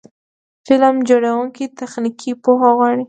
فلم جوړونه تخنیکي پوهه غواړي.